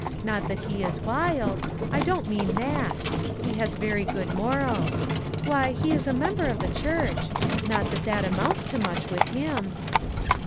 Not that he is wild ; I don't mean that. He has very good mor als. Why, he is a member of the church ; not that that amounts to much with him."